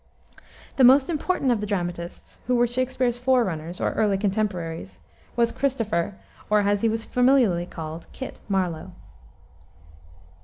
The most important of the dramatists, who were Shakspere's forerunners, or early contemporaries, was Christopher or as he was familiarly called Kit Marlowe.